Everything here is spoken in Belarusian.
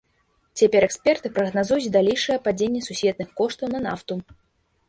Цяпер эксперты прагназуюць далейшае падзенне сусветных коштаў на нафту.